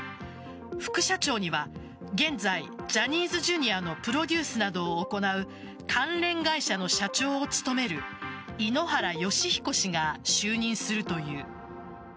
副社長には、現在ジャニーズＪｒ．のプロデュースなどを行う関連会社の社長を務める井ノ原快彦氏が就任するという。